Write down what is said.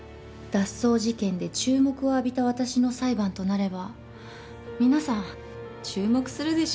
脱走事件で注目を浴びた私の裁判となれば皆さん注目するでしょうね。